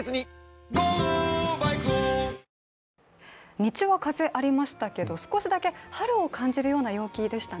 日中は風、ありましたけれども少しだけ春を感じる陽気でしたね。